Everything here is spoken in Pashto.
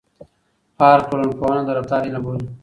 پارک ټولنپوهنه د رفتار علم بولي.